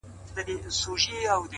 دا ستا دسرو سترگو خمار وچاته څه وركوي-